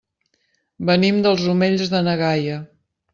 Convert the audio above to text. Venim dels Omells de na Gaia.